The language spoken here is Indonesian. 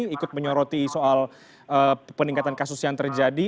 ikut menyoroti soal peningkatan kasus yang terjadi